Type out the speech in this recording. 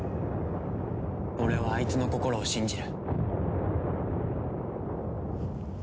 俺はアイツの心を信じる。